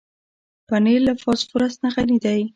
پنېر له فاسفورس نه غني دی.